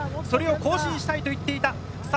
それを更新したいと言っていた。